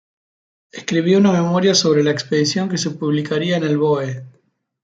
Escribió una memoria sobre la expedición que se publicaría en el boe.